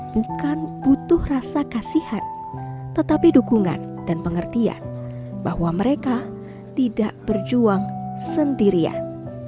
bukan butuh rasa kasihan tetapi dukungan dan pengertian bahwa mereka tidak berjuang sendirian